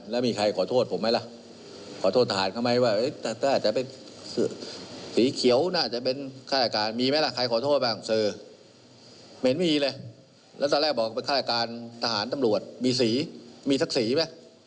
แล้วตอนแรกบอกว่าเป็นฆ่าอาการทหารตำรวจมีสีมีทักษิไหม